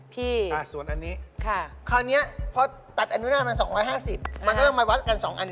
พนักงานอยู่ไหนคะ